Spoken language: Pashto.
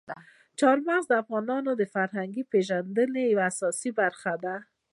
چار مغز د افغانانو د فرهنګي پیژندنې یوه اساسي برخه ده.